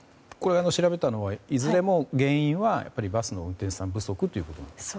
調べたのはいずれも原因はバスの運転手さん不足ということなんですか。